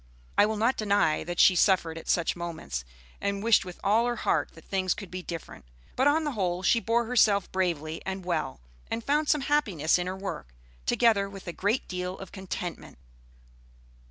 I will not deny that she suffered at such moments, and wished with all her heart that things could be different. But on the whole she bore herself bravely and well, and found some happiness in her work, together with a great deal of contentment.